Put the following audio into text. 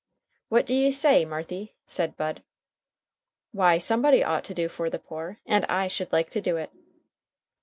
"What d'ye say, Marthy?" said Bud. "Why, somebody ought to do for the poor, and I should like to do it."